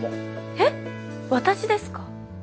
えっ私ですか？